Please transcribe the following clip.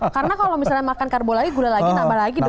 karena kalau misalnya makan karbo lagi gula lagi nambah lagi dong